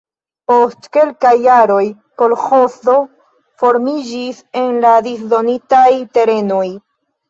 Post kelkaj jaroj kolĥozo formiĝis en la disdonitaj terenoj.